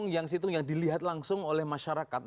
yang situng yang dilihat langsung oleh masyarakat